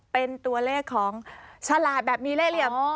เป็นตัวเลขของฉลาดแบบมีเล่เหลี่ยม